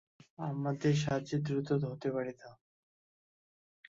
আমাদের সাহায্যে দ্রুত হতে পারে তা।